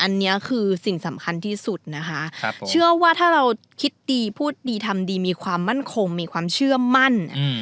อันนี้คือสิ่งสำคัญที่สุดนะคะเชื่อว่าถ้าเราคิดดีพูดดีทำดีมีความมั่นคงมีความเชื่อมั่น